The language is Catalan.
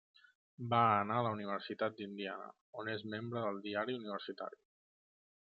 Va anar a la Universitat d'Indiana, on és membre del diari universitari.